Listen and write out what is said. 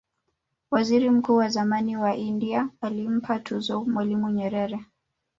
waziri mkuu wa zamani wa india alimpa tuzo mwalimu nyerere